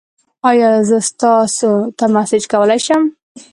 ایا زه تاسو ته میسج کولی شم؟